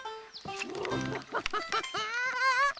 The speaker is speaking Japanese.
ハハハハハハー！